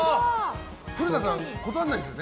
古田さん、断らないですよね。